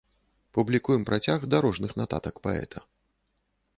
Публікуем працяг дарожных нататак паэта.